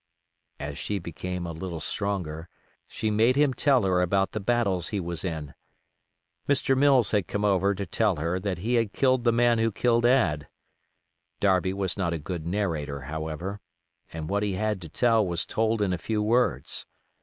As she became a little stronger she made him tell her about the battles he was in. Mr. Mills had come to tell her that he had killed the man who killed Ad. Darby was not a good narrator, however, and what he had to tell was told in a few words.